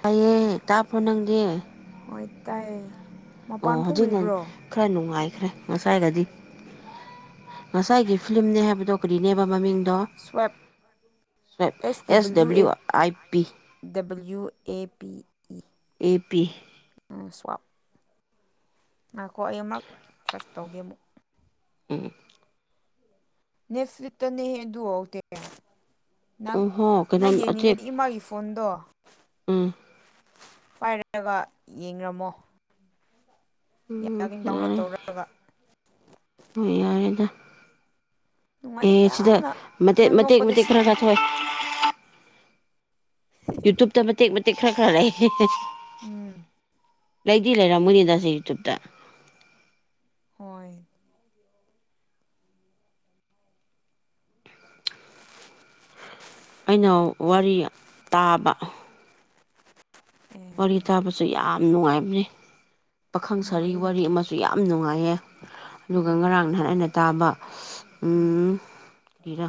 ꯇꯥꯢꯌꯦ ꯇꯥꯕ꯭ꯔꯣ ꯅꯪꯗꯤ ꯍꯣꯏ ꯇꯥꯏꯌꯦ ꯑꯣ ꯃꯄꯥꯟ ꯍꯧꯖꯤꯛ ꯐꯣꯡꯔꯤꯕ꯭ꯔꯣ ꯈꯔ ꯅꯨꯡꯉꯥꯏꯈ꯭ꯔꯦ ꯉꯁꯥꯏꯒꯗꯤ ꯉꯁꯥꯏꯒꯤ ꯐꯤꯂꯝꯅꯦ ꯍꯥꯏꯕꯗꯣ ꯀꯔꯤꯅꯦꯕ ꯃꯃꯤꯡ ꯁ꯭ꯋꯞ [unintelligible] ꯑꯦꯁ W W A I P W A P E [unintelligible] [unintelligible] [unintelligible] A P um swap ꯉꯥꯢꯈꯣ ꯑꯩ ꯑꯃꯨꯛ ꯁꯔꯁ ꯇꯧꯒꯦ ꯑꯃꯨꯛ ꯎꯝ [unintelligible] ꯇꯅꯦ ꯑꯗꯨ ꯅꯪ ꯑꯣꯍꯣ ꯀꯩꯅꯣ ꯅꯪ ꯑꯆꯦꯛ ꯌꯦꯡꯅꯤꯡꯉꯗꯤ ꯏꯃꯥꯒꯤ ꯐꯣꯟꯗꯣ ꯎꯝ ꯄꯥꯏꯔꯒ ꯌꯦꯡꯉꯥꯝꯃꯣ ꯎꯝ ꯗꯥꯎꯟꯂꯣꯗ ꯌꯥꯔꯦ ꯇꯧꯔꯒ ꯌꯥꯔꯦꯗ ꯅꯨꯡꯉꯥꯏ ꯑꯦ ꯁꯤꯗ ꯌꯥꯝꯅ ꯃꯇꯦꯛ ꯅꯪ ꯃꯇꯦꯛ ꯅꯣꯛꯄꯗ ꯃꯇꯦꯛ ꯈꯔ ꯁꯤꯒꯅꯤ ꯊꯣꯛꯑꯦ ꯌꯨꯇꯨꯞꯇ ꯃꯇꯦꯛ ꯃꯇꯦꯛ ꯈꯔ ꯈꯔ ꯂꯩ ꯎꯝ ꯂꯩꯗꯤ ꯂꯩꯔꯝꯃꯣꯏꯅꯤ ꯇꯁꯦ ꯌꯨꯇ꯭ꯨꯕꯇ ꯍꯣꯏ ꯑꯩꯅ ꯋꯥꯔꯤ ꯇꯥꯕ ꯑꯦ ꯋꯥꯔꯤ ꯇꯥꯕꯁꯨ ꯌꯥꯝ ꯅꯨꯡꯉꯥꯏꯕꯅꯤ ꯄꯥꯈꯪ ꯁꯔꯤ ꯅꯨꯡꯉꯥꯏꯌꯦ ꯋꯥꯔꯤ ꯅꯨꯡꯉꯥꯏꯌꯦ ꯑꯃꯁꯨ ꯌꯥꯝ ꯅꯨꯡꯉꯥꯏꯌꯦ ꯑꯗꯨꯒ ꯎꯝ ꯉꯔꯥꯡ ꯅꯍꯥꯟ ꯑꯩꯅ ꯇꯥꯕ ꯎꯝ ꯀꯔꯥ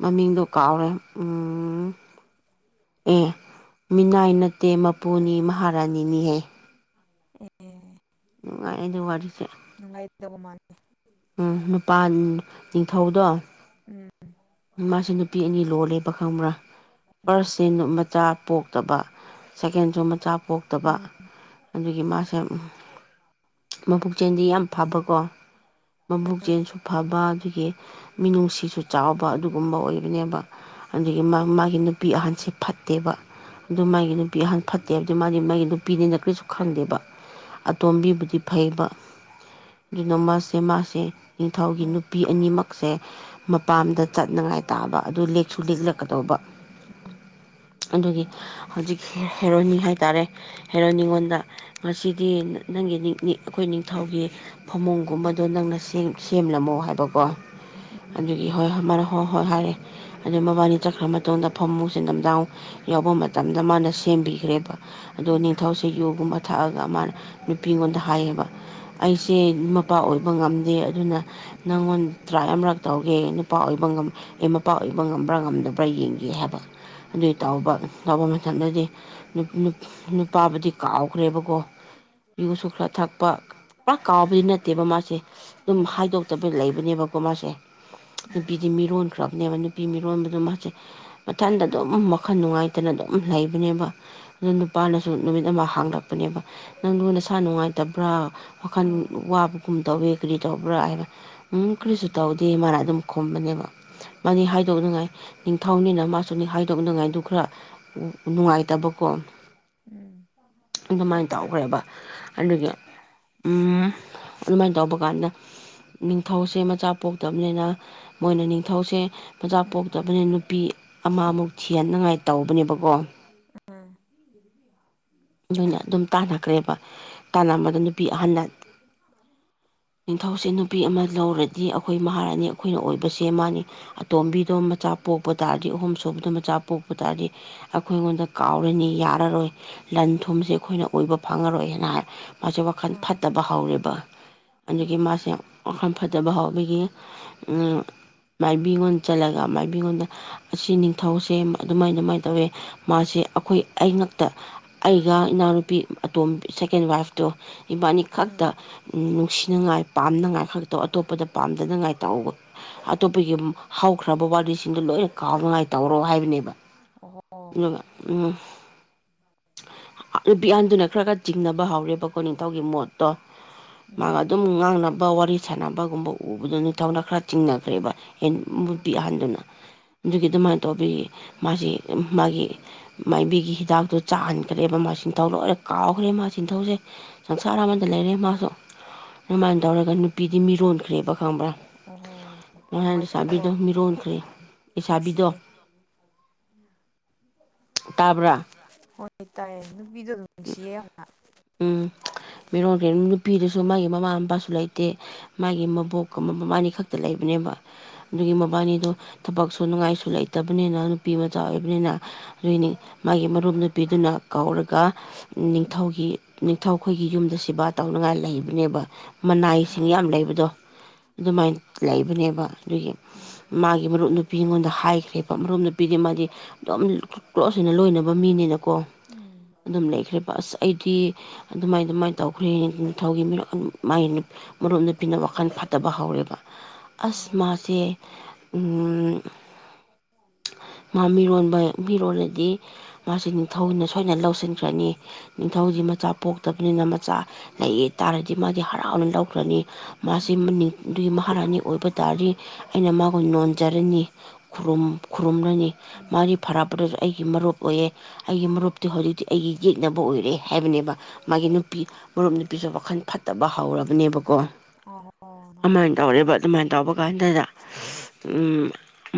ꯃꯃꯤꯡꯗꯣ ꯀꯥꯎꯔꯦ ꯎꯝ ꯑꯦ ꯃꯤꯅꯥꯏ ꯅꯠꯇꯦ ꯃꯄꯨꯅꯤ ꯃꯍꯥꯔꯥꯅꯤꯅꯤꯍꯦ ꯑꯦ ꯅꯨꯡꯉꯥꯏ ꯑ ꯑꯗꯨ ꯋꯥꯔꯤꯁꯦ ꯅꯨꯉꯥꯏꯇꯕ ꯃꯥꯜꯂꯤ ꯎꯝ ꯅꯨꯄꯥ ꯅꯤꯡꯊꯧꯗꯣ ꯎꯝ ꯃꯥꯁꯦ ꯅꯨꯄꯤ ꯑꯅꯤ ꯂꯣꯜꯂꯦꯕ ꯈꯪꯕ꯭ꯔꯥ ꯐꯥꯔꯁꯁꯦ ꯃꯆꯥ ꯄꯣꯛꯇꯕ ꯁꯥꯏꯀꯦꯟꯁꯨ ꯃꯆꯥ ꯄꯣꯛꯇꯕ ꯎꯝ ꯑꯗꯨꯒꯤ ꯃꯥꯁꯦ ꯃꯕꯨꯛ ꯆꯦꯟꯗꯤ ꯌꯥꯝ ꯐꯕꯀꯣ ꯃꯕꯨꯛ ꯑꯥ ꯆꯦꯟꯁꯨ ꯐꯕ ꯑꯗꯨꯗꯒꯤ ꯃꯤꯅꯨꯡꯁꯤꯁꯨ ꯆꯥꯎꯕ ꯑꯗꯨꯒꯨꯝꯕ ꯑꯣꯏꯕꯅꯦꯕ ꯑꯗꯒꯤ ꯃꯥꯒꯤ ꯅꯨꯄꯤ ꯎꯝ ꯑꯍꯟꯁꯦ ꯐꯠꯇꯦꯕ ꯑꯗꯨ ꯃꯥꯒꯤ ꯅꯨꯄꯤ ꯍꯍꯥꯟ ꯐꯠꯇꯦ ꯍꯥꯏꯕꯗꯤ ꯃꯥꯗꯤ ꯃꯥꯒꯤ ꯅꯨꯄꯤꯅꯤꯅ ꯀꯔꯤꯁꯨ ꯈꯪꯗꯦꯕ ꯑꯇꯣꯝꯕꯤꯕꯨꯗꯤ ꯐꯩꯕ ꯑꯗꯨꯅ ꯃꯥꯁ‌ꯦ ꯃꯥꯁꯦ ꯅꯤꯡꯊꯧꯒꯤ ꯑꯥ ꯅꯨꯄꯤ ꯑꯅꯤꯃꯛꯁꯦ ꯃꯄꯥꯝꯗ ꯆꯠꯅꯉꯥꯏ ꯇꯥꯕ ꯑꯗꯨ ꯂꯦꯛꯁꯨ ꯂꯤꯛꯂꯛꯀꯗꯧꯕ ꯎꯝ ꯑꯗꯨꯒꯤ ꯍꯧꯖꯤꯛ ꯍꯦꯔꯣꯏꯅꯤ ꯍꯥꯏꯇꯥꯔꯦ ꯍꯦꯔꯣ ꯅꯤꯉꯣꯟꯗ ꯉꯁꯤꯗꯤ ꯅꯪꯒꯤ ꯑꯩꯈꯣꯏ ꯅꯤꯡꯊꯧꯒꯤ ꯑꯥ ꯐꯃꯨꯡꯒꯨꯝꯕꯗꯣ ꯅꯪꯅ ꯁꯦꯝꯂꯝꯃꯣ ꯍꯥꯏꯕꯀꯣ ꯎꯝ ꯑꯗꯨꯒꯤ ꯍꯣꯏ ꯃꯔꯛ ꯍꯣꯏ ꯍꯣꯏ ꯍꯥꯏꯔꯦ ꯑꯗꯨ ꯃꯕꯥꯅꯤ ꯆꯠꯈ꯭ꯔ ꯃꯇꯨꯡꯗ ꯐꯃꯨꯁꯦ ꯃꯤꯗꯥꯡ ꯌꯥꯎꯕ ꯃꯇꯝꯗ ꯃꯥꯅ ꯁꯦꯝꯕꯤꯈ꯭ꯔꯦꯕ ꯑꯗꯣ ꯎꯝ ꯅꯤꯡꯊꯧꯁꯦ ꯌꯣꯒꯨꯝꯕ ꯊꯛꯑꯒ ꯃꯥꯅ ꯅꯨꯄꯤꯉꯣꯟꯗ ꯍꯥꯏꯌꯦꯕ ꯑꯩꯁꯦ ꯃꯄꯥ ꯑꯣꯏꯕ ꯉꯝꯗꯦ ꯑꯗꯨꯅ ꯎꯝ ꯅꯪꯉꯣꯟ ꯇ꯭ꯔꯥꯏ ꯑꯃꯔꯛ ꯇꯧꯒꯦ ꯅꯨꯄꯥ ꯑꯣꯏꯕ ꯃꯄꯥ ꯑꯣꯏꯕ ꯉꯝꯕ꯭ꯔꯥ ꯉꯝꯗꯕ꯭ꯔꯥ ꯌꯦꯡꯒꯦ ꯍꯥꯏꯕ ꯑꯗꯨꯏ ꯇ ꯎꯝ ꯇꯧꯕ ꯃꯇꯝꯗꯗꯤ ꯅꯨꯄꯥꯕꯨꯗꯤ ꯀꯥꯎꯈ꯭ꯔꯦꯕꯀꯣ ꯌꯨꯁꯨ ꯈꯔꯥ ꯊꯛꯄ ꯊꯛꯄ ꯄꯨꯔꯥꯛ ꯀꯥꯎꯕꯗꯤ ꯅꯠꯇꯦꯕ ꯃꯥꯁꯦ ꯑꯗꯨꯝ ꯎꯝ ꯍꯥꯏꯗꯣꯛꯇꯕ ꯂꯩꯕꯅꯦꯕꯀꯣ ꯃꯥꯁꯦ ꯎꯝ ꯅꯨꯄꯤꯗꯤ ꯃꯤꯔꯣꯟꯈ꯭ꯔꯕꯅꯦꯕ ꯅꯨꯄꯤ ꯃꯤꯔꯣꯟꯕꯗꯣ ꯃꯥꯁꯦ ꯃꯊꯟꯇ ꯑꯗꯨꯝ ꯋꯥꯈꯜ ꯅꯨꯡꯉꯥꯏꯇꯅ ꯑꯗꯨꯝ ꯂꯩꯕꯅꯦꯕ ꯗꯨ ꯅꯨꯄꯥꯅꯁꯨ ꯅꯨꯃꯤꯠ ꯑꯃ ꯍꯥꯡꯂꯛꯄꯅꯦꯕ ꯅꯪꯗꯨ ꯅꯁꯥ ꯅꯨꯡꯉꯥꯏꯇꯕ꯭ꯔꯥ ꯋꯥꯈꯜ ꯑꯥ ꯋꯥꯕꯒꯨꯝ ꯇꯧꯋꯤ ꯀ꯭ꯔꯤ ꯇꯧꯕ꯭ꯔꯥ ꯍꯥꯏꯅ ꯎꯝ ꯀ꯭ꯔꯤꯖꯨ ꯇꯧꯗꯦ ꯃꯥꯅ ꯑꯗꯨꯝ ꯈꯨꯝꯕꯅꯦꯕ ꯃꯥꯗꯤ ꯍꯥꯏꯗꯣꯛꯅꯉꯥꯏ ꯅꯤꯡꯊꯧꯅꯤꯅ ꯃꯥꯁꯨꯅꯤ ꯍꯥꯏꯗꯣꯛꯅꯉꯥꯏꯗꯨ ꯈ꯭ꯔ ꯎꯝ ꯅꯨꯡꯉꯥꯏ ꯅꯨꯡꯉꯥꯏꯇꯕꯀꯣ ꯎꯝ ꯑꯗꯨꯃꯥꯏ ꯇꯧꯈ꯭ꯔꯦꯕ ꯑꯗꯨꯒꯤ ꯎꯝ ꯑꯗꯨꯃꯥꯏꯅ ꯇꯧꯕ ꯀꯥꯟꯗ ꯅꯤꯡꯊꯧꯁꯦ ꯃꯆꯥ ꯄꯣꯛꯇꯕꯅꯤꯅ ꯃꯣꯏꯅ ꯅꯤꯡꯊꯧꯁꯦ ꯃꯆꯥ ꯎꯝ ꯄꯣꯛꯇꯕꯅꯤ ꯅꯨꯄꯤ ꯑꯃ ꯑꯃꯨꯛ ꯊꯤꯍꯟꯅꯉꯥꯏ ꯇꯧꯕꯅꯦꯕꯀꯣ꯫ ꯑ ꯗꯨꯅ ꯑꯗꯨꯝ ꯇꯥꯟꯅꯈ꯭ꯔꯦꯕ ꯇꯥꯟꯂꯝꯕꯗꯣ ꯅꯨꯄꯤ ꯑꯍꯟꯅ ꯅꯤꯡꯊꯧꯁꯦ ꯅꯨꯄꯤ ꯑꯃ ꯂꯧꯔꯗꯤ ꯑꯈꯣꯏ ꯃꯍꯥꯔꯥꯅꯤ ꯑꯈꯣꯏꯅ ꯑꯣꯏꯕꯁꯦ ꯃꯥꯅꯤ ꯑꯇꯣꯝꯕꯤꯗꯣ ꯃꯆꯥ ꯄꯣꯛꯄ ꯇꯥꯔꯗꯤ ꯑꯍꯨꯝ ꯁꯨꯕꯗ ꯃꯆꯥ ꯄꯣꯛꯄ ꯇꯥꯔꯗꯤ ꯑꯈꯣꯏ ꯉꯣꯟꯗ ꯀꯥꯎꯔꯅꯤ ꯌꯥꯔꯔꯣꯏ ꯂꯟ ꯊꯨꯝꯖꯦ ꯑꯈꯣꯏꯅ ꯑꯣꯏꯕ ꯐꯪꯉꯥꯔꯣꯏ ꯍꯦꯅ ꯍꯥꯏ ꯃꯥꯖꯦ ꯋꯥꯈꯜ ꯑꯥ ꯐꯠꯇꯕ ꯍꯧꯔꯦꯕ꯫ ꯑꯥ ꯑꯗꯒꯤ ꯃꯥꯁꯦ ꯋꯥꯈꯜ ꯐꯠꯇꯕ ꯍꯧꯕꯒꯤ ꯎꯝ ꯃꯥꯏꯕꯤꯉꯣꯟ ꯆꯠꯂꯒ ꯃꯥꯏꯕꯤꯉꯣꯟꯗ ꯑꯁꯤ ꯅꯤꯡꯊꯧꯁꯦ ꯑꯃ ꯑꯗꯨꯃꯥꯏ ꯑꯗꯨꯃꯥꯏ ꯇꯧꯋꯦ ꯃꯥꯁꯦ ꯑꯈꯣꯏ ꯑꯩꯉꯛꯇ ꯑꯩ ꯒ ꯏꯅꯥꯎꯅꯨꯄꯤ ꯑꯇꯣꯝ ꯁꯦꯀꯦꯟ ꯋꯥꯏꯐꯇꯣ ꯏꯕꯥꯟꯅꯤ ꯈꯛꯇ ꯎꯝ ꯅꯨꯡꯁꯤꯅꯉꯥꯏ ꯄꯥꯝꯅꯉꯥꯏ ꯈꯛꯇꯧ ꯑꯇꯣꯞꯄꯗ ꯄꯥꯝꯗꯅꯉꯥꯏ ꯇꯧꯕ ꯑꯇꯣꯞꯄꯒꯤ ꯑꯝ ꯍꯧꯈ꯭ꯔꯕ ꯋꯥꯔꯤꯁꯤꯡꯗꯨ ꯂꯣꯏꯅ ꯀꯥꯎꯅꯉꯥꯏ ꯇꯧꯔꯣ ꯍꯥꯏꯕꯅꯦꯕ ꯑꯣꯍꯣ ꯅꯨꯒ ꯎꯝ [inaudible] ꯅꯨꯄꯤ ꯑꯍꯟꯗꯨꯅ ꯈ꯭ꯔ ꯈ꯭ꯔ ꯆꯤꯡꯅꯕ ꯍꯧꯔꯦꯕꯀꯣ ꯅꯤꯡꯊꯧꯒꯤ ꯃꯣꯠꯇꯣ ꯃꯥꯒ ꯎꯝ ꯑꯗꯨꯝ ꯉꯥꯡꯅꯕ ꯋꯥꯔꯤ ꯁꯥꯟꯅꯕꯒꯨꯝꯕ ꯎꯕꯗꯨꯅꯤ ꯊꯧꯅ ꯈ꯭ꯔ ꯆꯤꯡꯅꯈ꯭ꯔꯦꯕ ꯍꯦ ꯅꯨꯄꯤ ꯑꯍꯟꯗꯨꯅ ꯗꯨꯒꯤ ꯑꯗꯨꯃꯥꯏ ꯇꯧꯕꯤꯌꯦ ꯃꯥꯖꯦ ꯃꯥꯒꯤ ꯃꯥꯏꯕꯤꯒꯤ ꯍꯤꯗꯥꯛꯇꯣ ꯆꯥꯍꯟꯈ꯭ꯔꯦꯕ ꯃꯥꯁꯤ ꯅꯤꯡꯊꯧ ꯂꯣꯏꯅ ꯀꯥꯎꯈ꯭ꯔꯦ ꯃꯥꯁꯤ ꯁꯤꯡꯊꯧꯁꯦ꯫ ꯁꯪꯁꯥꯔ ꯑꯃꯗ ꯂꯩꯔꯦ ꯃꯥꯁꯨ ꯑꯗꯨꯃꯥꯏꯅ ꯇꯧꯔꯒ ꯅꯨꯄꯤꯗꯤ ꯃꯤꯔꯣꯟꯈ꯭ꯔꯦꯕ ꯈꯪꯕ꯭ꯔꯥ ꯑꯣꯍꯣ ꯉꯍꯥꯟ ꯁꯥꯕꯤꯗꯣ ꯅꯨꯡꯉꯥꯏꯇꯦꯀꯣ ꯃꯤꯔꯣꯟꯈ꯭ꯔꯦ ꯂꯩꯥꯁꯥꯕꯤꯗꯣ ꯅꯨꯡꯁꯤꯌꯦ ꯇꯥꯕ꯭ꯔꯥ ꯍꯣꯏ ꯇꯥꯏꯌꯦ ꯅꯨꯄꯤꯗꯣ [inaudible] ꯅꯨꯡꯁꯤꯌꯦ ꯌꯥꯝꯅ ꯎꯝ ꯃꯤꯔꯣꯟꯈ꯭ꯔꯦ ꯅꯨꯄꯤꯗꯁꯨ ꯃꯥꯒꯤ ꯃꯃꯥ ꯃꯄꯥꯁꯨ ꯂꯩꯇꯦ꯫ ꯃꯥꯒꯤ ꯃꯕꯣꯛꯀ ꯃ ꯃꯕꯥꯥꯟꯅꯤ ꯈꯛꯇ ꯂꯩꯕꯅꯦꯕ꯫ ꯗꯨꯒꯤ ꯑꯣ ꯃꯕꯥꯟꯅꯤꯗꯣ ꯊꯕꯛ ꯁꯨꯅꯉꯥꯏꯁꯨ ꯂꯩꯇꯕꯅꯤꯅ ꯅꯨꯄꯤ ꯃꯆꯥ ꯑꯣꯏꯕꯅꯤꯅ ꯗꯨꯏꯅꯤ ꯃꯥꯒꯤ ꯃꯔꯨꯞ ꯅꯨꯄꯤꯗꯨꯅ ꯀꯧꯔꯒ ꯎꯝ ꯅꯤꯡꯊꯧꯒꯤ ꯅꯤꯡꯊꯧꯈꯣꯏꯒꯤ ꯌꯨꯝꯗ ꯁꯦꯕꯥ ꯇꯧꯅꯉꯥꯏ ꯂꯩꯕꯅꯦꯕ꯫ ꯑꯥ ꯃꯅꯥꯏꯁꯤꯡ ꯌꯥꯝ ꯂꯩꯕꯗꯣ ꯑꯗꯨꯃꯥꯏꯅ ꯂꯩꯕꯅꯦꯕ ꯑꯗꯨꯒꯤ ꯑꯥ ꯃꯥꯒꯤ ꯃꯔꯨꯞ ꯅꯨꯄꯤꯉꯣꯟꯗ ꯍꯥꯏꯈ꯭ꯔꯦꯕ ꯃꯔꯨꯞ ꯅꯨꯄꯤꯗꯤ ꯃꯥꯗꯤ ꯗꯣꯝ ꯀ꯭ꯂꯣꯁ ꯍꯣꯏꯅ ꯂꯣꯏꯅꯕ ꯃꯤꯅꯤꯅꯀꯣ ꯎꯝ ꯑꯗꯨꯝ ꯂꯩꯈ꯭ꯔꯦꯕ ꯑꯁ ꯑꯩꯗꯤ ꯑꯗꯨꯃꯥꯏ ꯗꯨꯃꯥꯏ ꯇꯧꯈ꯭ꯔꯦ ꯅꯤꯡꯊꯧꯒꯤ ꯃꯤꯔꯛ ꯑꯝ ꯃꯥꯏ ꯅꯨ ꯃꯔꯨꯞ ꯅꯨꯄꯤꯅ ꯋꯥꯈꯜ ꯐꯠꯇꯕ ꯍꯧꯔꯦꯕ꯫ ꯑꯥꯁ ꯑꯣ ꯃꯥꯁꯦ ꯎꯝ ꯃꯥ ꯃꯤꯔꯣꯟꯕ ꯃꯤꯔꯣꯜꯂꯗꯤ ꯃꯥꯁꯦ ꯅꯤꯡꯊꯧꯅ ꯁꯣꯏꯅ ꯂꯧꯁꯤꯟ ꯈ꯭ꯔꯅꯤ ꯅꯤꯡꯊꯧꯗꯤ ꯎꯝ ꯃꯆꯥ ꯄꯣꯛꯇꯕꯅꯤꯅ ꯃꯆꯥ ꯂꯩꯌꯦ ꯇꯥꯔꯗꯤ ꯃꯥꯗꯤ ꯍꯔꯥꯎꯅ ꯂꯧꯈ꯭ꯔꯅꯤ ꯃꯥꯁꯤ ꯎꯝ ꯃꯅꯤꯡꯗꯨꯒꯤ ꯃꯍꯥꯔꯥꯅꯤ ꯑꯣꯏꯕ ꯇꯥꯔꯗꯤ ꯑꯩꯅ ꯃꯥꯕꯨ ꯅꯣꯟꯖꯔꯅꯤ ꯈꯨꯔꯨꯝ ꯈꯨꯔꯨꯝꯂꯅꯤ ꯎꯝ ꯃꯔꯤ ꯐꯔꯛꯄꯗꯁꯨ ꯑꯩꯒꯤ ꯃꯔꯨꯞ ꯑꯣꯏꯌꯦ ꯑꯩꯒꯤ ꯃꯔꯨꯞꯇꯤ ꯍꯧꯖꯤꯛꯇꯤ ꯑꯩꯒꯤ ꯌꯦꯛꯅꯕ ꯑꯣꯏꯔꯦ ꯍꯥꯏꯕꯅꯦꯕ ꯃꯥꯒꯤ ꯅꯨꯄꯤ ꯃꯔꯨꯞ ꯅꯨꯄꯤꯁꯨ ꯋꯥꯈꯜ ꯐꯠꯇꯕ ꯍꯧꯔꯕꯅꯦꯕꯀꯣ ꯑꯣ ꯍꯣ ꯑꯃꯥꯏꯅ ꯅꯨꯡꯉꯥꯏꯇꯦꯗ ꯇꯧꯔꯦꯕ ꯑꯗꯨꯃꯥꯏꯅ ꯇꯧꯕ ꯎꯝ ꯀꯥꯟꯗꯨꯗ ꯎꯝ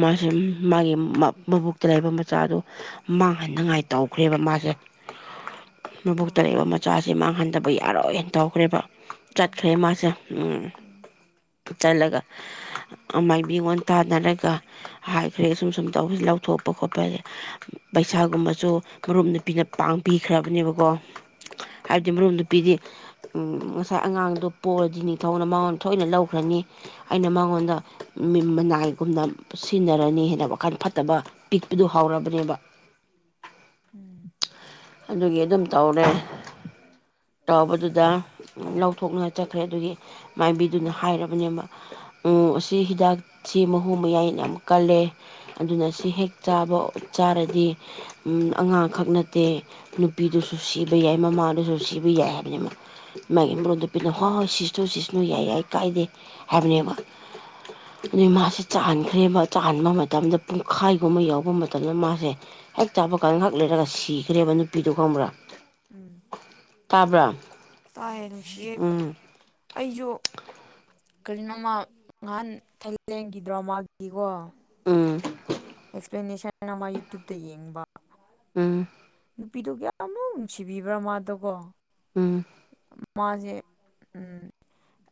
ꯃꯥꯁꯦ ꯃꯥꯒꯤ ꯃꯕꯨꯛꯇ ꯂꯩꯕ ꯃꯆꯥꯗꯨ ꯃꯥꯡꯍꯟꯅꯉꯥꯏ ꯇꯧꯈ꯭ꯔꯦꯕ ꯃꯥꯁꯦ [unintelligible] ꯑꯥ ꯃꯕꯨꯛꯇ ꯂꯩꯕ ꯃꯆꯥꯁꯤ ꯃꯥꯡꯍꯟꯗꯕ ꯌꯥꯔꯣꯏꯅ ꯇꯧꯈ꯭ꯔꯦꯕ ꯎꯝ ꯆꯠꯈ꯭ꯔꯦ ꯃꯥꯁꯦ ꯎꯝ ꯆꯠꯂꯒ ꯃꯥꯏꯕꯤ ꯋꯣꯟ ꯇꯥꯅꯔꯒ ꯍꯥꯏꯈ꯭ꯔꯦ ꯁꯨꯝ ꯁꯨꯝ ꯇꯧ ꯂꯧꯊꯣꯛꯄ ꯈꯣꯠꯄꯖꯦ ꯄꯩꯁꯥꯒꯨꯝꯕꯁꯨ ꯃꯔꯨꯞ ꯅꯨꯄꯤꯅ ꯄꯥꯡ ꯄꯤꯈ꯭ꯔꯕꯅꯦꯕꯀꯣ ꯍꯥꯏꯕꯗꯤ ꯎꯝ ꯃꯔꯨꯞ ꯅꯨꯄꯤꯗꯤ ꯎꯝ ꯉꯁꯥꯏ ꯑꯉꯥꯡꯗꯣ ꯄꯣꯛꯂꯗꯤ ꯅꯤꯡꯊꯧꯅ ꯃꯉꯣꯟ ꯊꯣꯏꯅ ꯂꯧꯈ꯭ꯔꯅꯤ ꯑꯩꯅ ꯃꯉꯣꯟꯗ ꯃꯤ ꯃꯅꯥꯏꯒꯨꯝꯅ ꯁꯤꯟꯅꯔꯅꯤ ꯍꯥꯏꯅ ꯋꯥꯈꯟ ꯐꯠꯇꯕ ꯄꯤꯛꯄꯗꯨ ꯍꯧꯔꯕꯅꯦꯕ ꯎꯝ ꯑꯗꯨꯒꯤ ꯑꯗꯨꯝ ꯇꯧꯔꯦ ꯇꯧꯕꯗꯨꯗ ꯂꯧꯊꯣꯛꯅꯉꯥꯏ ꯆꯠꯈ꯭ꯔꯦ ꯑꯗꯨꯒꯤ ꯃꯥꯏꯕꯤꯗꯨꯅ ꯑꯥ ꯍꯥꯏꯔꯕꯅꯦꯕ ꯎꯝ ꯑꯁꯤ ꯍꯤꯗꯥꯛꯁꯤ ꯃꯍꯨ ꯃꯌꯥꯏ ꯌꯥꯝ ꯀꯜꯂꯦ ꯑꯗꯨꯅ ꯁꯤ ꯍꯦꯛ ꯆꯥꯕ ꯆꯥꯔꯗꯤ ꯎꯝ ꯑꯉꯥꯡꯈꯛ ꯅꯠ ꯇꯦ ꯅꯨꯄꯤꯗꯨꯁꯨ ꯁꯤꯕ ꯌꯥꯏ ꯃꯃꯥꯗꯨꯁꯨꯁꯤꯕ ꯌꯥꯏ ꯍꯥꯏꯕꯅꯦꯕ ꯃꯥꯒꯤ ꯃꯔꯣꯟꯗꯨ ꯄꯤꯂꯣ ꯎꯝ ꯍꯣꯏ ꯁꯤꯁꯅꯨ ꯁꯤꯁꯅꯨ ꯌꯥꯏ ꯌꯥꯏ ꯀꯥꯏꯗꯦ ꯍꯥꯏꯕꯅꯦꯕ ꯑꯗꯩ ꯃꯥꯁꯦ ꯆꯥꯟꯈ꯭ꯔꯦꯕ ꯆꯥꯟꯕ ꯃꯇꯝꯗ ꯄꯨꯡꯈꯥꯏꯒꯨꯝꯕ ꯌꯥꯎꯕ ꯃꯇꯝꯗ ꯃꯥꯁꯦ ꯍꯦꯛ ꯆꯥꯕ ꯀꯥꯟ ꯉꯥꯏꯍꯥꯛ ꯂꯩꯔꯒ ꯁꯤ ꯔꯦꯕ ꯅꯨꯄꯤꯗꯣ ꯈꯪꯕ꯭ꯔꯥ ꯎꯝ ꯇꯥꯕ꯭ꯔꯥ ꯇꯥꯏꯌꯦ ꯅꯨꯡꯁꯤꯌꯦ ꯀ ꯎꯝ ꯑꯩꯁꯨ ꯀꯔꯤꯅꯣꯃ ꯉꯍꯥꯟ ꯊꯥꯏꯂꯦꯟꯒꯤ ꯗ꯭ꯔꯃꯥꯒꯤꯀꯣ ꯎꯝ ꯑꯦꯛꯁꯄ꯭ꯂꯦꯅꯦꯁꯟ ꯑꯃ ꯌꯨꯇ꯭ꯌꯨꯨꯞꯇ ꯌꯦꯡꯕ ꯎꯝ ꯅꯨꯄꯤꯗꯨ ꯀꯌꯥꯃꯨꯛ ꯅꯨꯡꯁꯤꯕꯤꯕ꯭ꯔꯥ ꯃꯥꯗꯣꯀꯣ ꯎꯝ ꯃꯥꯁꯦ ꯎꯝ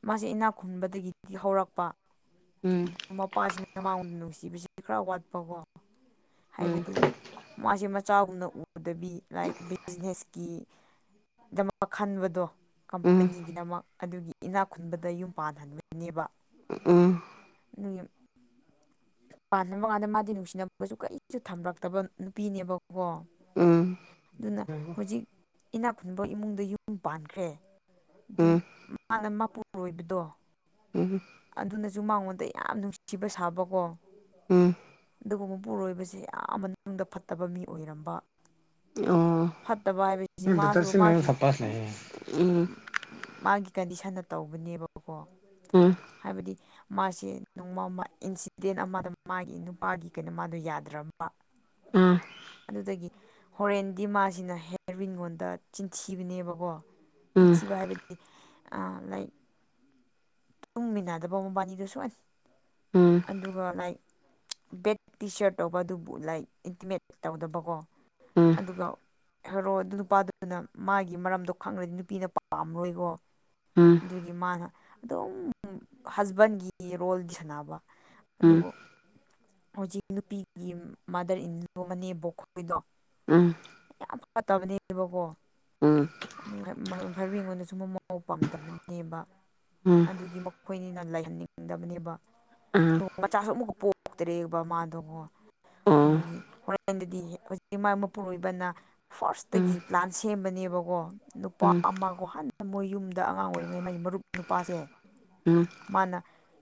ꯃꯥꯁꯦ ꯏꯅꯥꯛ ꯈꯨꯟꯕꯗꯒꯤꯗꯤ ꯍꯧꯔꯛꯄ ꯎꯝ ꯃꯄꯥꯁꯤꯅ ꯃꯥꯕꯨ ꯅꯨꯡꯁꯤꯕꯁꯤꯗꯤ ꯈꯔ ꯋꯥꯠꯄꯀꯣ ꯍꯥꯏꯕꯗꯤ ꯃꯥꯁꯦ ꯃꯆꯥꯒꯨꯝꯅ ꯎꯗꯕꯤ ꯂꯥꯏꯛ ꯕꯤꯖꯤꯅꯦꯁ ꯀꯤ ꯗꯃꯛ ꯈꯟꯕꯗꯣ ꯀꯝꯄꯅꯤꯒꯤꯗꯃꯛ ꯑꯗꯨꯒꯤ ꯏꯅꯥꯛ ꯈꯨꯟꯕꯗ ꯌꯨꯝ ꯄꯥꯟꯍꯟꯕꯅꯦꯕ ꯎꯝ ꯅꯨꯌꯨꯝ ꯄꯥꯟꯗ꯭ꯔꯕ ꯀꯥꯟꯗ ꯃꯥꯗꯤ ꯅꯨꯡꯁꯤꯅꯕꯁꯨ ꯀꯩꯁꯨ ꯊꯝꯂꯛꯇꯕ ꯅꯨꯄꯤꯅꯦꯕꯀꯣ ꯎꯝ ꯑꯗꯨꯅ ꯍꯧꯖꯤꯛ ꯏꯅꯥ ꯈꯨꯨꯟꯕ ꯏꯃꯨꯡꯗ ꯌꯨꯝ ꯄꯥꯟꯈ꯭ꯔꯦ ꯑꯗꯨ ꯍꯥꯟꯅ ꯃꯄꯨꯔꯣꯏꯕꯗꯣ ꯎꯝ ꯑꯗꯨꯅꯁꯨ ꯃꯉꯣꯟꯗ ꯌꯥꯝ ꯅꯨꯡꯁꯤꯕ ꯁꯥꯕꯀꯣ ꯎꯝ ꯑꯗꯨꯒ ꯃꯄꯨꯔꯣꯏꯕꯁꯦ ꯌꯥꯝ ꯃꯅꯨꯡꯗ ꯐꯠꯇꯕ ꯃꯤ ꯑꯣꯏꯔꯝꯕ ꯐꯠꯇꯕ ꯍꯥꯏꯕꯁꯤ ꯑꯣ ꯕꯇꯔ ꯃꯥꯁꯨ ꯁꯤꯟꯅꯩꯔꯣ ꯃꯥꯒꯤ [unintelligible] ꯎꯝ ꯃꯥꯒꯤ ꯀꯟꯗꯤꯁꯟꯅ ꯇꯧꯕꯅꯦꯕꯀꯣ ꯎꯝ ꯍꯥꯏꯕꯗꯤ ꯃꯥꯁꯦ ꯅꯣꯡꯃꯃꯥ ꯏꯟꯁꯤꯗꯦꯟ ꯑꯃꯗ ꯃꯥꯒꯤ ꯅꯨꯄꯥꯒꯤ ꯀꯩꯅꯣ ꯃꯥꯗꯣ ꯌꯥꯗ꯭ꯔꯕ ꯎꯝ ꯑꯗꯨꯗꯒꯤ ꯍꯣꯔꯦꯟꯗꯤ ꯃꯥꯁꯤꯅ ꯍꯦꯔꯋꯤꯟꯉꯣꯟꯗ ꯆꯤꯟꯊꯤꯕꯅꯦꯕꯀꯣ ꯆꯤꯟꯊꯤꯕ ꯍꯥꯏꯕꯗꯤ ꯑꯥ ꯂꯥꯏꯛ ꯇꯨꯡꯃꯤꯟꯅꯗꯕ ꯃꯕꯥꯅꯤꯗꯨ ꯁꯣꯏꯅ ꯎꯝ ꯎꯝ ꯎꯝ ꯑꯗꯨꯒ ꯂꯥꯏꯛ ꯕꯦꯠ ꯇꯤ ꯁꯔꯠ ꯇꯧꯕ ꯑꯗꯨꯕꯨ ꯂꯥꯏꯛ ꯏꯟꯇꯤꯃꯦꯠ ꯇꯧꯗꯕꯀꯣ ꯎꯝ ꯑꯗꯨꯒ ꯍꯦꯔꯣ ꯑꯗꯨ ꯅꯨꯄꯥꯗꯨꯗꯨꯅ ꯃꯥꯒꯤ ꯃꯔꯝꯗꯣ ꯈꯪꯉ꯭ꯔꯗꯤ ꯅꯨꯄꯤꯅ ꯄꯥꯝꯃꯔꯣꯏꯀꯣ ꯎꯝ ꯑꯗꯨꯒꯤ ꯃꯥꯅ ꯑꯗꯨꯝ ꯍꯖꯕꯦꯟꯒꯤ ꯔꯣꯜꯗꯤ ꯁꯥꯟꯅꯕ ꯑꯗꯨꯕꯨ ꯍꯧꯖꯤꯛ ꯅꯨꯄꯤꯒꯤ ꯌꯨꯝ ꯃꯥꯗꯔ ꯏꯟ ꯂꯣ ꯃꯅꯦꯝꯕꯣꯛꯈꯣꯏꯗꯣ ꯎꯝ ꯌꯥꯝ ꯐꯠꯇꯕꯅꯦꯕꯀꯣ ꯎꯝ ꯍꯥꯔꯋꯤꯡ ꯍꯣꯏꯗꯨꯁꯨ ꯃꯃꯧ ꯄꯥꯝꯗꯕꯅꯦꯕ ꯑꯗꯨꯒꯤ ꯃꯈꯣꯏꯅꯤꯅ ꯂꯩꯍꯟꯅꯤꯡꯗꯕꯅꯦꯕ ꯃꯆꯥꯁꯨ ꯑꯃꯨꯛꯀ ꯄꯣꯛꯇ꯭ꯔꯦꯕ ꯃꯥꯗꯣꯀꯣ ꯑꯗꯨꯒꯤ ꯍꯣꯔꯦꯟꯗꯗꯤ ꯍꯧꯖꯤꯛꯇꯤ ꯃꯥꯒꯤ ꯃꯄꯨꯔꯣꯏꯕꯅ ꯐꯥꯔꯁꯇꯒꯤ ꯄ꯭ꯂꯥꯟ ꯁꯦꯝꯕꯅꯦꯕꯀꯣ ꯅꯨꯄꯥ ꯑꯃꯀꯣ ꯍꯟꯅ ꯃꯣꯏ ꯌꯨꯝꯗ ꯑꯉꯥꯡ ꯑꯣꯏꯔꯤꯉꯩ ꯃꯩ ꯃꯔꯨꯞ ꯅꯨꯄꯥꯁꯦ ꯃꯥꯅ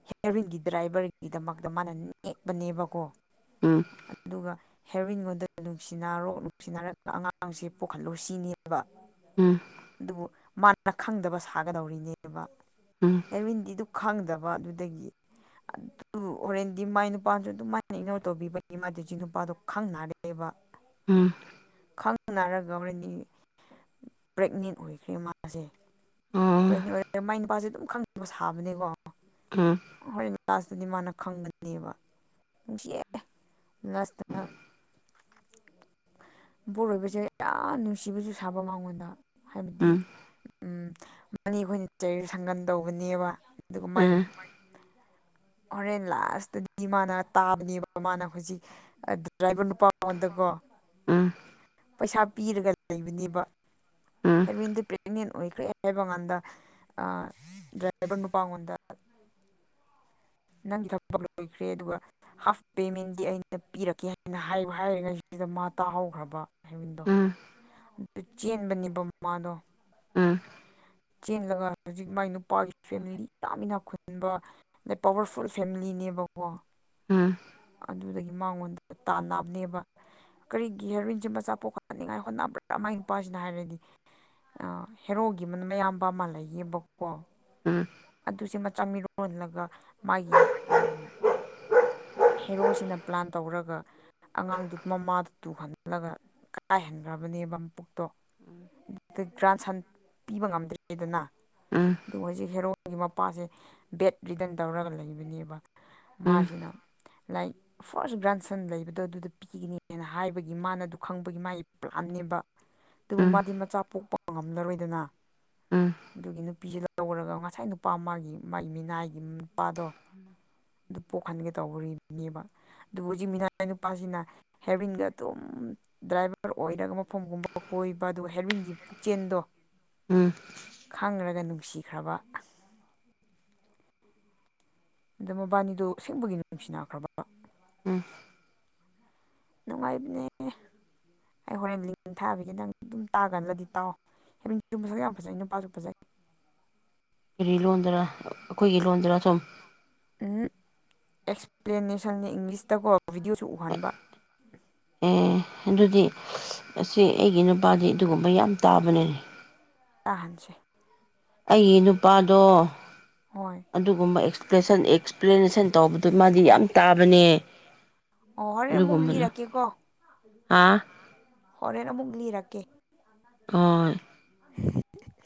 ꯍꯦꯔꯣꯏꯟꯒꯤ ꯗ꯭ꯔꯥꯏꯚꯔꯒꯤꯗꯃꯛꯇ ꯃꯥꯅ ꯅꯦꯛꯄꯅꯦꯕꯀꯣ ꯎꯝ ꯑꯗꯨꯒ ꯍꯦꯔꯣꯏꯟꯒꯥ ꯅꯨꯡꯁꯤꯅꯔꯣ ꯅꯨꯡꯁꯤꯅꯔꯒ ꯑꯉꯥꯡꯁꯦ ꯄꯣꯛꯍꯜꯂꯨ ꯁꯤꯅꯦꯕ ꯑꯗꯨꯕꯨ ꯃꯥꯅ ꯈꯪꯗꯕ ꯁꯥꯒꯗꯧꯔꯤꯅꯦꯕ ꯍꯦꯔꯣꯏꯟꯗꯤꯗꯨ ꯈꯪꯗꯕ ꯑꯗꯨꯗꯒꯤ ꯑꯗꯨ ꯍꯣꯔꯦꯟꯗꯤ ꯃꯥꯏ ꯅꯨꯄꯥꯁꯨ ꯑꯗꯨꯃꯥꯏꯅ ꯏꯒꯅꯣꯔ ꯇꯧꯕꯤꯕꯒꯤ ꯃꯥꯗꯨ ꯍꯧꯖꯤꯛ ꯅꯨꯄꯥꯗꯨ ꯈꯪꯅꯔꯦ ꯔꯦꯕ ꯎꯝ ꯈꯪꯅꯔꯒ ꯃꯣꯏꯔꯩꯅꯤ ꯄ꯭ꯔꯦꯒꯅꯦꯟ ꯑꯣꯏꯈ꯭ꯔꯦ ꯃꯥꯁꯦ ꯄ꯭ꯔꯦꯒꯅꯦꯟ ꯑꯣꯏꯔ ꯃꯥꯏ ꯅꯨꯄꯥꯁꯦ ꯑꯗꯨꯝ ꯈꯪꯗꯕ ꯁꯥꯕ ꯕꯅꯦꯀꯣ ꯎꯝ ꯍꯣꯔꯦꯟ ꯂꯥꯁꯇꯗꯤ ꯃꯥꯅ ꯈꯪꯕꯅꯦꯕ ꯅꯨꯡꯁꯤꯌꯦ ꯂꯥꯁꯇ ꯃꯄꯨꯔꯣꯏꯕꯁꯦ ꯌꯥꯝ ꯅꯨꯡꯁꯤꯕꯁꯨ ꯁꯥꯕ ꯃꯉꯣꯟꯗ ꯍꯥꯏꯕꯗꯤ ꯃꯅꯦꯈꯣꯏꯅ ꯆꯩꯔ ꯁꯪꯒꯟ ꯇꯧꯕꯅꯦꯕ ꯑꯗꯨꯒ ꯃꯥꯒꯤ ꯍꯣꯔꯦꯟ ꯂꯥꯁꯇꯗꯤ ꯃꯥꯅ ꯇꯥꯕꯅꯦꯕ ꯃꯥꯅ ꯍꯧꯖꯤꯛ ꯑꯗꯥ ꯗ꯭ꯔꯥꯏꯕꯔ ꯅꯨꯄꯥ ꯃꯉꯣꯟꯗꯀꯣ ꯎꯝ ꯄꯩꯁꯥ ꯄꯤꯔꯒ ꯂꯩꯕꯅꯦꯕ ꯍꯦꯔꯣꯏꯟꯗꯨ ꯄ꯭ꯔꯦꯒꯅꯦꯟ ꯑꯣꯏꯈ꯭ꯔꯦ ꯍꯥꯏꯕ ꯀꯥꯟꯗ ꯑꯥ ꯅꯨꯄꯥꯉꯣꯟꯗ ꯅꯪꯒꯤ ꯊꯕꯛ ꯂꯣꯏꯈ꯭ꯔꯦ ꯑꯗꯨꯒ ꯍꯥꯐ ꯄꯦꯃꯦꯟꯗꯤ ꯑꯩꯅ ꯄꯤꯔꯛꯀꯦ ꯍꯥꯏꯅ ꯍꯥꯏꯌꯨ ꯍꯥꯏꯔꯤꯉꯩꯁꯤꯗ ꯃꯥ ꯇꯥꯍꯧꯈ꯭ꯔꯕ ꯍꯦꯔꯣꯏꯟꯗꯣ ꯆꯦꯟꯕꯅꯤꯕ ꯃꯥꯗꯣ ꯎꯝ ꯆꯦꯜꯂꯒ ꯍꯧꯖꯤꯛ ꯃꯥꯒꯤ ꯅꯨꯄꯥꯒꯤ ꯐꯦꯃꯤꯂꯤ ꯌꯥꯃꯤꯅꯥꯛ ꯈꯨꯟꯕ ꯑꯗꯩ ꯄꯋꯥꯔꯐꯨꯜ ꯐꯦꯃꯤꯂꯤꯅꯦꯕꯀꯣ ꯎꯝ ꯑꯗꯨꯗꯒꯤ ꯃꯉꯣꯟꯗ ꯇꯥꯟꯅꯥꯅꯦꯕ ꯀꯔꯤꯒꯤ ꯍꯦꯔꯤꯡ ꯃꯆꯥ ꯄꯣꯛꯍꯥꯅꯤꯡꯉꯥꯏ ꯍꯣꯠꯅꯕꯗ ꯃꯥꯏ ꯅꯨꯄꯥꯁꯤꯅ ꯍꯥꯏꯔꯗꯤ ꯑ ꯍꯦꯔꯣꯒꯤ ꯑꯌꯥꯝꯕ ꯑꯃ ꯂꯩꯌꯦꯕꯀꯣ ꯎꯝ ꯑꯗꯨꯁꯦ ꯃꯆꯥ ꯃꯤꯔꯣꯜꯂꯒ ꯃꯥꯒꯤ ꯎꯝ ꯍꯦꯔꯣꯁꯤꯅ ꯄ꯭ꯂꯥꯟ ꯇꯧꯔꯒ ꯑꯉꯥꯡꯗꯨ ꯃꯃꯥꯗ ꯇꯨꯍꯜꯂꯒ ꯀꯥꯏꯍꯟꯈ꯭ꯔꯕꯅꯦꯕ ꯃꯄꯨꯛꯇꯣ ꯑꯗꯩ ꯒ꯭ꯔꯥꯟ ꯁꯟ ꯄꯤꯕ ꯉꯝꯗ꯭ꯔꯦꯗꯅ ꯑꯗꯨ ꯍꯧꯖꯤꯛ ꯍꯦꯔꯣꯒꯤ ꯃꯄꯥꯁꯦ ꯕꯦꯠ ꯔꯤꯗꯟ ꯇꯧꯔꯒ ꯂꯩꯕꯅꯦꯕ ꯃꯥꯁꯤꯅ ꯂꯥꯏꯛ ꯐꯥꯔꯁ ꯒ꯭ꯔꯥꯟ ꯁꯟ ꯂꯩꯕꯗꯣ ꯑꯗꯨꯗ ꯄꯤꯒꯅꯤꯅ ꯍꯥꯏꯕꯒꯤ ꯃꯥꯅ ꯑꯗꯨ ꯈꯪꯕꯒꯤ ꯃꯥꯒꯤ ꯄ꯭ꯂꯥꯟꯅꯦꯕ ꯑꯗꯨꯕꯨ ꯃꯥꯗꯤ ꯃꯆꯥ ꯄꯣꯛꯄ ꯉꯝꯂꯔꯣꯏꯗꯅ ꯑꯗꯨꯒꯤ ꯅꯨ ꯅꯨꯄꯤꯁꯤꯅ ꯂꯧꯔꯒ ꯉꯁꯥꯏ ꯅꯨꯄꯥ ꯃꯥꯒꯤ ꯃꯥꯒꯤ ꯃꯤꯅꯥꯏꯒꯤ ꯅꯨꯄꯥꯗꯣ [unintelligible] ꯑꯗꯨ ꯄꯣꯛꯍꯟꯒꯦ ꯇꯧꯔꯤꯕꯅꯦꯕ ꯑꯗꯨꯕꯨ ꯍꯧꯖꯤꯛ ꯃꯤꯅꯥꯏ ꯅꯨꯄꯥꯁꯤꯅ ꯍꯦꯔꯋꯤꯟꯒ ꯑꯗꯨꯝ ꯗ꯭ꯔꯥꯏꯚꯔ ꯑꯣꯏꯔꯒ ꯃꯐꯝꯒꯨꯝꯕ ꯀꯣꯏꯕ ꯑꯗꯨꯒ ꯍꯦꯔꯋꯤꯟꯒꯤ ꯄꯨꯛꯆꯦꯟꯗꯣ ꯎꯝ ꯈꯪꯔꯒ ꯅꯨꯡꯁꯤꯈ꯭ꯔꯕ ꯑꯗꯣ ꯃꯕꯥꯅꯤꯗꯣ ꯑꯁꯦꯡꯕꯒꯤ ꯅꯨꯡꯁꯤꯅꯈ꯭ꯔꯕ ꯎꯝ ꯅꯨꯡꯉꯥꯏꯕꯅꯦ ꯑꯩ ꯍꯣꯔꯦꯟ ꯂꯤꯡ ꯊꯥꯕꯤꯒꯤ ꯅꯪ ꯑꯗꯨꯝ ꯇꯥꯒꯜꯂꯗꯤ ꯇꯥꯎ ꯍꯦꯔꯣꯅꯤꯗꯣ ꯃꯁꯛ ꯌꯥꯝ ꯐꯖꯩ ꯅꯨꯄꯥꯁꯨ ꯐꯖꯩ ꯀꯔꯤ ꯂꯣꯟꯗꯔ ꯑꯩꯈꯣꯏꯒꯤ ꯂꯣꯟꯗꯔ ꯁꯨꯝ ꯎ ꯑꯦꯛꯁꯄ꯭ꯂꯦꯅꯦꯁꯟꯅꯦ ꯏꯪꯂꯤꯁꯇꯀꯣ ꯚꯤꯗꯤꯑꯣꯁꯨ ꯎꯍꯟꯕ ꯑꯦ ꯑꯗꯨꯗꯤ ꯑꯁꯤ ꯑꯩꯒꯤ ꯅꯨꯄꯥꯗꯤ ꯑꯗꯨꯒꯨꯝꯕ ꯌꯥꯝ ꯇꯥꯕꯅꯦ ꯇꯥꯍꯟꯁꯦ ꯑꯩꯒꯤ ꯅꯨꯄꯥꯗꯣ ꯍꯣꯏ ꯑꯗꯨꯒꯨꯝꯕ ꯑꯦꯛꯁꯄ꯭ꯂꯦꯁꯟ ꯑꯦꯛꯁꯄ꯭ꯂꯦꯅꯦꯁꯟ ꯇꯧꯕꯗꯨ ꯃꯥꯗꯤ ꯌꯥꯝ ꯑꯣ ꯇꯥꯕꯅꯦ ꯑꯣ ꯍꯣꯔꯦꯟ ꯑꯃꯨꯛ ꯑꯗꯨꯒꯨꯝꯕꯗꯣ ꯂꯤꯔꯛꯀꯦꯀꯣ ꯍꯥ ꯍꯣꯔꯦꯟ ꯑꯃꯨꯛ ꯂꯤꯔꯛꯀꯦ ꯍ‌ꯣꯏ [unintelligible]